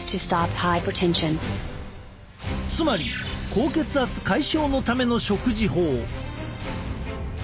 つまり高血圧解消のための食事法。